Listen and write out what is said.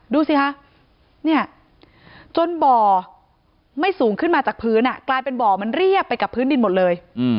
ดูสิคะเนี่ยจนบ่อไม่สูงขึ้นมาจากพื้นกลายเป็นบ่อมันเรียบไปกับพื้นดินหมดเลย